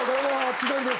千鳥です。